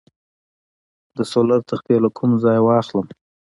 د سولر تختې له کوم ځای واخلم؟